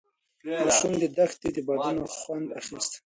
ماشوم د دښتې د بادونو خوند اخیست.